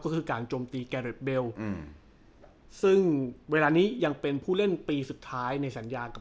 ก็คือการจมตีแกเรดเบลอืมซึ่งเวลานี้ยังเป็นผู้เล่นปีสุดท้ายในสัญญากับ